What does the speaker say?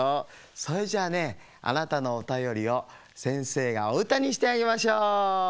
それじゃあねあなたのおたよりをせんせいがおうたにしてあげましょう。